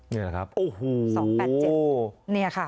นี่แหละครับ๒๘๗นี่ค่ะ